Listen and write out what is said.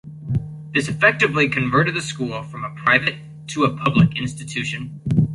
This effectively converted the school from a private to a public institution.